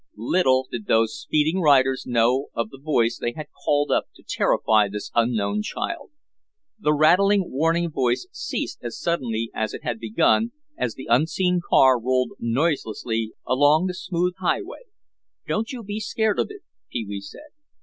Little did those speeding riders know of the voice they had called up to terrify this unknown child. The rattling, warning voice ceased as suddenly as it had begun as the unseen car rolled noiselessly along the smooth highway. "Don't you be scared of it," Pee wee said.